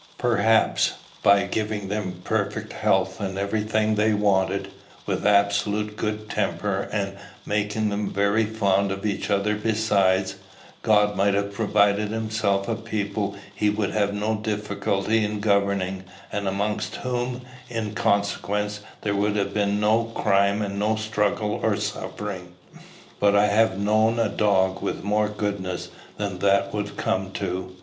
"Perhaps, by giving them perfect health, and every thing they wanted, with absolute good temper, and making them very fond of each other besides, God might have provided himself a people he would have had no difficulty in governing, and amongst whom, in consequence, there would have been no crime and no struggle or suffering. But I have known a dog with more goodness than that would come to.